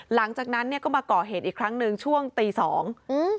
หลังจากนั้นเนี้ยก็มาก่อเหตุอีกครั้งหนึ่งช่วงตีสองอืม